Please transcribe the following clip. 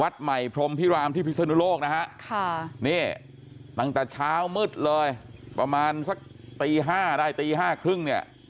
วัดใหม่พรมพิรามที่พิศนุโลกนะฮะนี่ตั้งแต่เช้ามืดเลยประมาณสักตี๕ได้ตี๕๓๐เนี่ย